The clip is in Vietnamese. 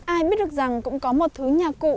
ai biết được rằng cũng có một thứ nhà cụ